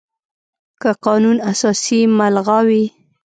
که قانون اساسي ملغا وي،